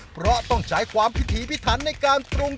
เพราะต้องใช้ความพิถีพิถันในการปรุง